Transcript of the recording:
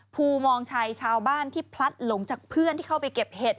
ภูมองชัยชาวบ้านที่พลัดหลงจากเพื่อนที่เข้าไปเก็บเห็ด